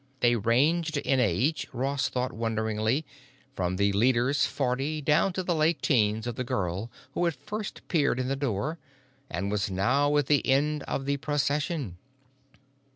They ranged in age, Ross thought wonderingly, from the leader's forty down to the late teens of the girl who had first peered in the door, and now was at the end of the procession.